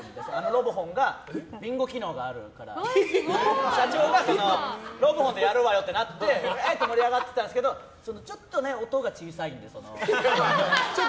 ロボホンがビンゴ機能があるから社長がロボホンでやるわよってなって、え？って盛り上がってたんですけどちょっと音が小さいんですよ。